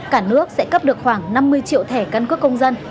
cả nước sẽ cấp được khoảng năm mươi triệu thẻ căn cước công dân